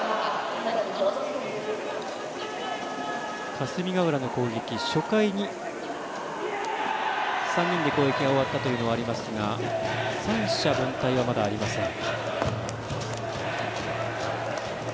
霞ヶ浦の攻撃初回に３人で攻撃が終わったというのがありますが三者凡退はまだありません。